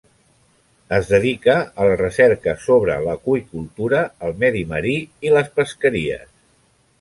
Es dedica a la recerca sobre l'aqüicultura, el medi marí i les pesqueries.